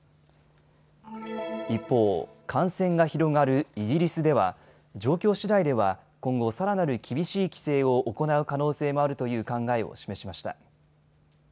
一方、感染が広がるイギリスでは状況しだいでは今後、さらなる厳しい規制を行う可能性もあるという考えを示しました。